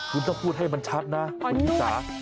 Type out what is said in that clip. คุณต้องพูดให้มันชัดนะคุณชิสา